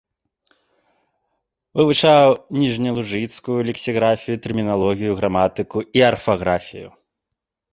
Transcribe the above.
Вывучаў ніжнялужыцкую лексікаграфію, тэрміналогію, граматыку і арфаграфію.